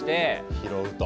拾うと。